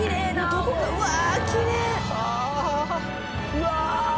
うわ！